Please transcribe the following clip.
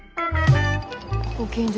ご近所